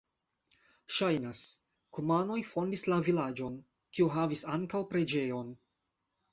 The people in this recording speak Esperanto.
Ŝajnas, kumanoj fondis la vilaĝon, kiu havis ankaŭ preĝejon.